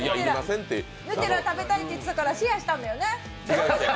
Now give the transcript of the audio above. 食べたいって言ってたからシェアしたんだよね。